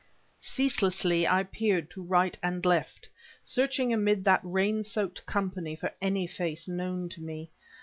Ceaselessly I peered to right and left, searching amid that rain soaked company for any face known to me.